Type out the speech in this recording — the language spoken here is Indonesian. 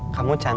aku mau ke rumah